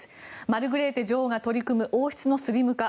マルグレーテ女王が取り組む王室のスリム化。